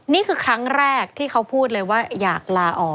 นี่คือครั้งแรกที่เขาพูดเลยว่าอยากลาออก